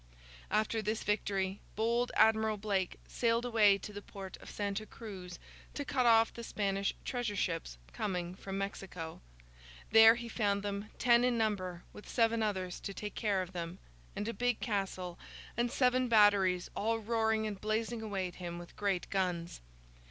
After this victory, bold Admiral Blake sailed away to the port of Santa Cruz to cut off the Spanish treasure ships coming from Mexico. There, he found them, ten in number, with seven others to take care of them, and a big castle, and seven batteries, all roaring and blazing away at him with great guns.